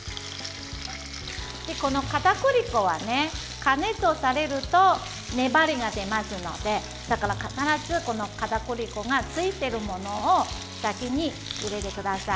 このかたくり粉は加熱されると粘りが出ますので、必ずかたくり粉がついているものを先に入れてください。